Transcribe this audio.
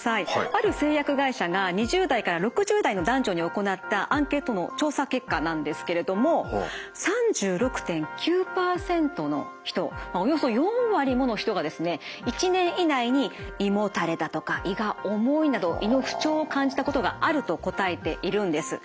ある製薬会社が２０代から６０代の男女に行ったアンケートの調査結果なんですけれども３６．９％の人およそ４割もの人がですね１年以内に胃もたれだとか胃が重いなど胃の不調を感じたことがあると答えているんです。